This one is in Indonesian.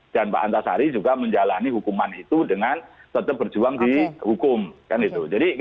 sampai jumpa lagi di ketua kpk